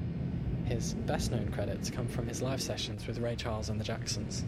His best-known credits come from his live sessions with Ray Charles and the Jacksons.